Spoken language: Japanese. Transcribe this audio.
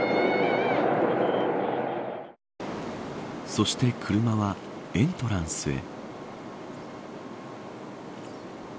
そして車はエントランスへ。